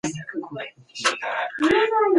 که غوښه وي نو بدن نه ډنګریږي.